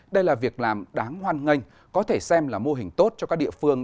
đây là việc làm đáng hoan nghênh có thể xem là mô hình tốt cho các địa phương